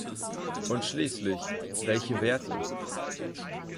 Und schließlich, welche Werte?